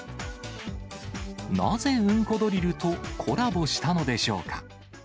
なぜうんこドリルとコラボしたのでしょうか。